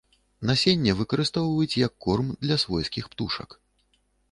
Насенне выкарыстоўваюць як корм для свойскіх птушак.